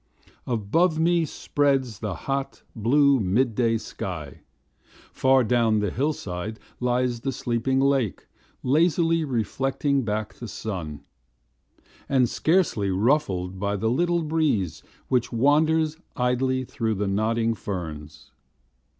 Above me spreads the hot, blue mid day sky, Far down the hillside lies the sleeping lake Lazily reflecting back the sun, And scarcely ruffled by the little breeze Which wanders idly through the nodding ferns.